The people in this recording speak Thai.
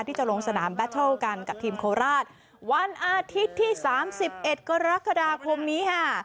ที่จะลงสนามแบตเทิลกันกับทีมโคราชวันอาทิตย์ที่สามสิบเอ็ดกรกฎาคมนี้ค่ะ